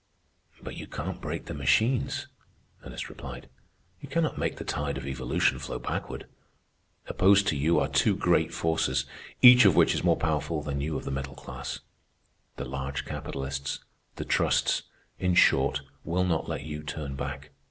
"But you can't break the machines," Ernest replied. "You cannot make the tide of evolution flow backward. Opposed to you are two great forces, each of which is more powerful than you of the middle class. The large capitalists, the trusts, in short, will not let you turn back.